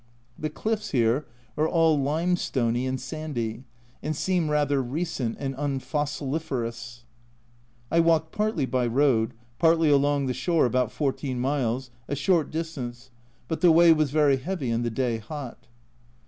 The cliffs here are all limestony and sandy, and seem rather recent and unfossiliferous. I walked partly by road, partly along the shore about 14 miles, a short distance, but the way was very heavy and the day hot.